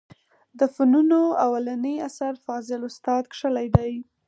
د فنونو اولنى اثر فاضل استاد کښلى دئ.